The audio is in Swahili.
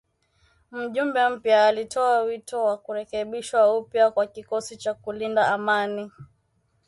Mjumbe mpya alitoa wito wa kurekebishwa upya kwa kikosi cha kulinda amani